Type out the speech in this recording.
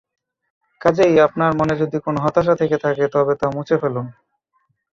কাজেই আপনার মনে যদি কোনো হতাশা থেকে থাকে তবে তা মুছে ফেলুন।